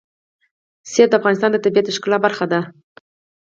منی د افغانستان د طبیعت د ښکلا برخه ده.